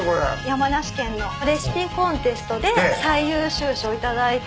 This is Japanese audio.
山梨県のレシピコンテストで最優秀賞頂いたものなので。